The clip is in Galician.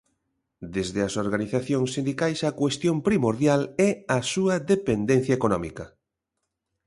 Desde as organizacións sindicais a cuestión primordial é a súa dependencia económica.